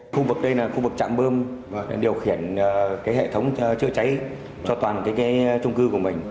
khu vực đây là khu vực chạm bơm điều khiển hệ thống chữa cháy cho toàn trung cư của mình